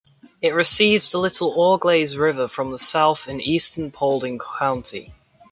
It receives the Little Auglaize River from the south in eastern Paulding County.